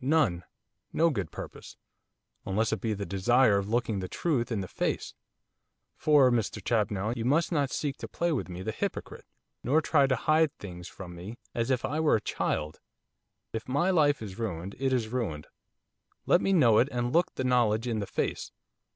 'None, no good purpose, unless it be the desire of looking the truth in the face. For, Mr Champnell, you must not seek to play with me the hypocrite, nor try to hide things from me as if I were a child. If my life is ruined it is ruined, let me know it, and look the knowledge in the face.